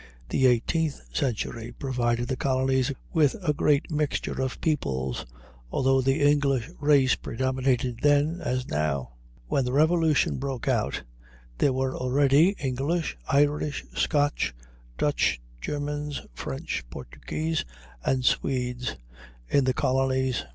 The eighteenth century provided the colonies with a great mixture of peoples, although the English race predominated then, as now. When the Revolution broke out, there were already English, Irish, Scotch, Dutch, Germans, French, Portuguese, and Swedes in the colonies.